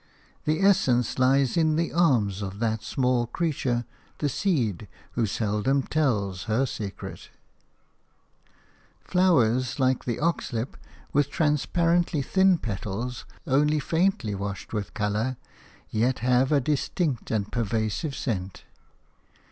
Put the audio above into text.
The essence lies in the arms of that small creature, the seed, who seldom tells her secret. Flowers like the oxlip, with transparently thin petals, only faintly washed with colour, yet have a distinct and pervasive scent.